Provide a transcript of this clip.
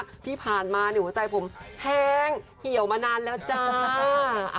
ตอนที่ผ่านมาหัวใจผมแห้งเหี่ยวมานานแล้วจ้า